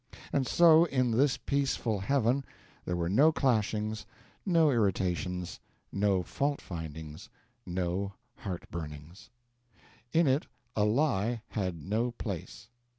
And so in this peaceful heaven there were no clashings, no irritations, no fault finding, no heart burnings. In it a lie had no place.